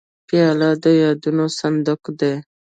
پیاله د یادونو صندوق ده.